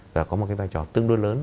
và có một vai trò tương đối lớn